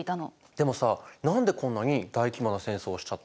でもさ何でこんなに大規模な戦争をしちゃったの？